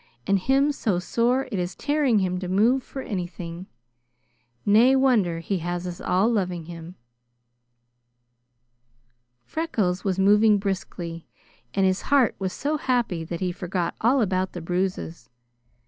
"And him so sore it is tearing him to move for anything. Nae wonder he has us all loving him!" Freckles was moving briskly, and his heart was so happy that he forgot all about the bruises.